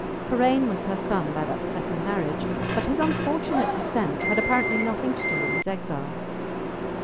Karain was her son by that second marriage, but his unfortunate descent had apparently nothing to do with his exile.